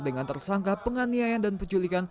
dengan tersangka penganiayaan dan penculikan